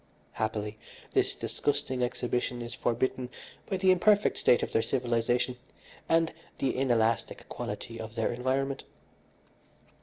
Happily, this disgusting exhibition is forbidden by the imperfect state of their civilisation and the inelastic quality of their environment.